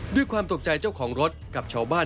ด้วยความตกใจเจ้าของรถกับชาวบ้าน